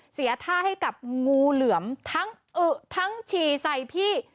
เสียท่าให้กับงูเหลือมทั้งอึทั้งฉี่ใส่พี่